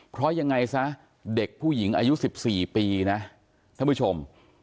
เพราะยังไงซะเด็กผู้หญิงอายุ๑๔ปีนะท่านผู้ชม